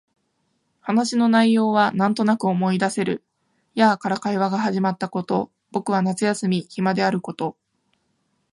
話の内容はなんとなく思い出せる。やあ、から会話が始まったこと、僕は夏休み暇であること、